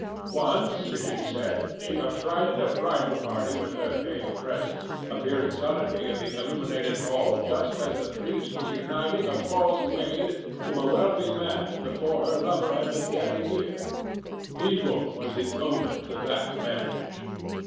Once, it is said, she affrighted a bridal party with her pale presence, appearing suddenly in the illuminated hall just as the priest was uniting a false maid to a wealthy man before her lover had been dead a year. Evil was the omen to that marriage.